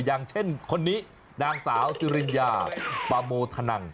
อย่างเช่นคนนี้นางสาวสุริญญาปาโมธนัง